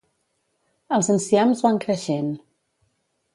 Els enciams van creixent